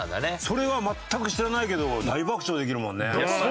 それは全く知らないけど大爆笑できるもんね。